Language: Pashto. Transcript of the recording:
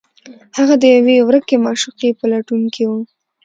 هغه د یوې ورکې معشوقې په لټون کې و